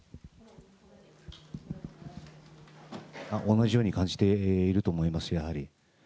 同じように感じていると思います、やはり。